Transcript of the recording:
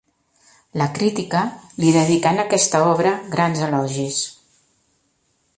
La crítica li dedicà en aquesta obra grans elogis.